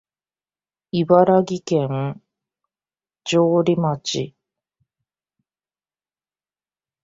茨城県城里町